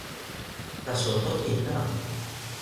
taso o toki e tan.